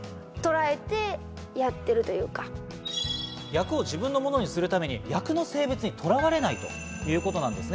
役を自分のものにするために役の性別にとらわれないということなんです。